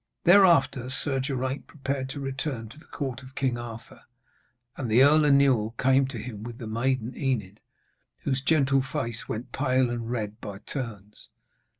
Thereafter Sir Geraint prepared to return to the court of King Arthur, and the Earl Inewl came to him with the maiden Enid, whose gentle face went pale and red by turns.